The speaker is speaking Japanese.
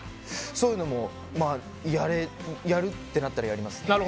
そういうのもやるってなったらやりますね。